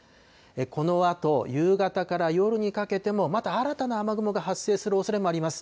このあと夕方から夜にかけてもまた新たな雨雲が発生するおそれもあります。